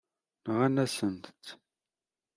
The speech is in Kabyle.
Nɣan-asent-tt.